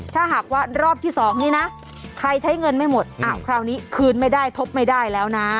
ถ้าหากว่ารอบที่๒นี้นะใครใช้เงินไม่หมดอ้าวคราวนี้คืนไม่ได้ทบไม่ได้แล้วนะ